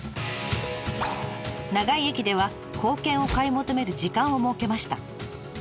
長井駅では硬券を買い求める時間を設けました。